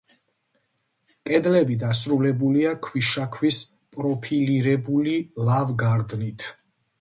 კედლები დასრულებულია ქვიშაქვის პროფილირებული ლავგარდნით.